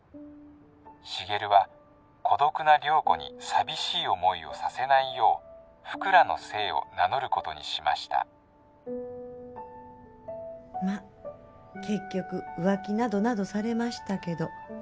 重流は孤独な涼子に寂しい思いをさせないよう福良の姓を名乗ることにしましたま結局浮気などなどされましたけど。